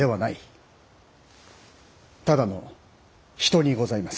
ただの人にございます。